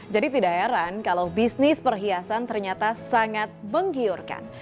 jadi tidak heran kalau bisnis perhiasan ternyata sangat menggiurkan